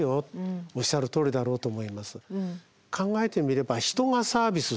おっしゃるとおりだろうと思います。